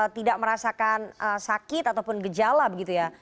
tidak merasakan sakit ataupun gejala begitu ya